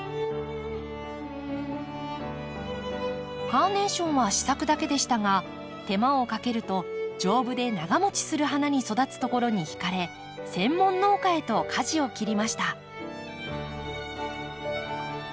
カーネーションは試作だけでしたが手間をかけると丈夫で長もちする花に育つところに惹かれ専門農家へとかじを切りました。